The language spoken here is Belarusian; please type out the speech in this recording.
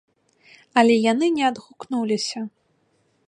Але яны не адгукнуліся.